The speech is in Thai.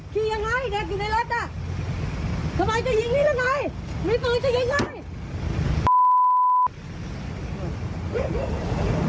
สุดท้ายมีปืนจะยิงเลย